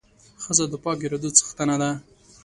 ښځه د پاکو ارادو څښتنه ده.